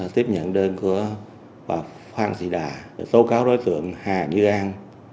tiếp nhận đơn của bà phan thị đà để tố cáo đối tượng hà như an